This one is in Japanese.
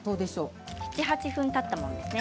７分、８分たったものです。